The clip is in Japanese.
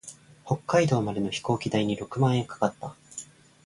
北海道までの飛行機代に六万円かかった。